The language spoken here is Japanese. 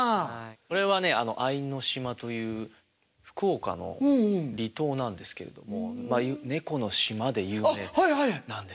これはね相島という福岡の離島なんですけれども猫の島で有名なんです。